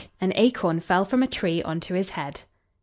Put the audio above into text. an acorn fell from a tree on to his head.